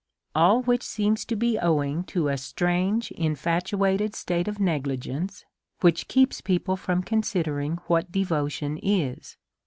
All which seems to be owing to a strange infatuated state of negligence, w hich keeps people from consi dering what devotion is.